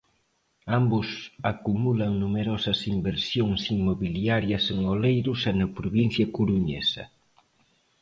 Ambos acumulan numerosas inversións inmobiliarias en Oleiros e na provincia coruñesa.